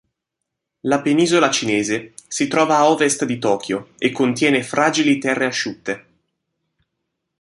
La penisola cinese si trova a ovest di Tokyo e contiene fragili terre asciutte.